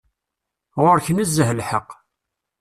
Ɣur-k nezzeh lḥeqq.